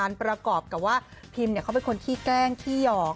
ประกอบกับว่าพิมเขาเป็นคนขี้แกล้งขี้หยอก